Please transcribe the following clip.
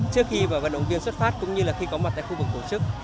trước khi và vận động viên xuất phát cũng như là khi có mặt tại khu vực tổ chức